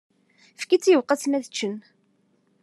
Fket-t i yiweqqasen ad t-ččen.